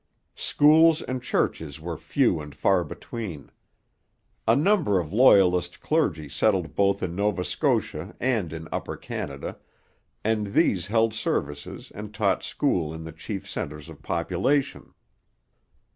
Schools and churches were few and far between. A number of Loyalist clergy settled both in Nova Scotia and in Upper Canada, and these held services and taught school in the chief centres of population.